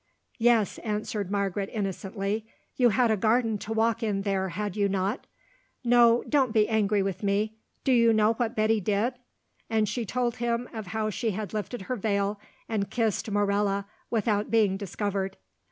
"Yes," answered Margaret innocently, "you had a garden to walk in there, had you not? No, don't be angry with me. Do you know what Betty did?" And she told him of how she had lifted her veil and kissed Morella without being discovered.